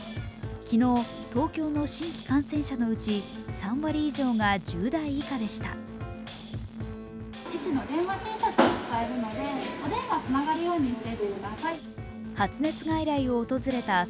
昨日、東京の新規感染者のうち３割以上が１０代以下でした。